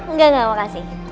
engga engga makasih